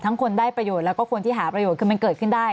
คนได้ประโยชน์แล้วก็คนที่หาประโยชน์คือมันเกิดขึ้นได้